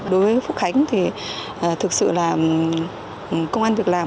đối với phúc khánh thì thực sự là công an việc làm